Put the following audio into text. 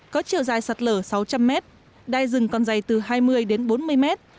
có chiều dài sạt lở sáu trăm linh mét đai rừng còn dày từ hai mươi đến bốn mươi mét